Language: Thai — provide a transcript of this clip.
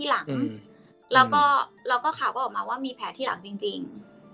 แล้วก็แล้วก็ข่าวก็ออกมาว่ามีแผลที่หลังจริง